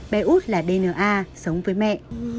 bé út là dna sống với mẹ